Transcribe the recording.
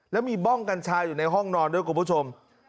แล้วมีบ้องกัญชาอยู่ในห้องนอนด้วยคุณผู้ชม